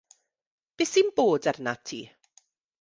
Beth sy'n bod arnat ti?